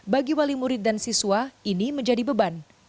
bagi wali murid dan siswa ini menjadi beban